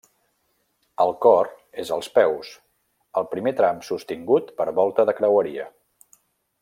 El cor és als peus, al primer tram sostingut per volta de creueria.